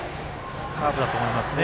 カーブだと思いますね。